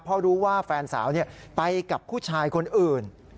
เพราะรู้ว่าแฟนสาวไปกับผู้ชายคนอื่น